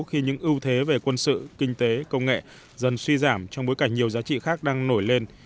khi những ưu thế về quân sự kinh tế công nghệ dần suy giảm trong bối cảnh nhiều giá trị khác đang nổi lên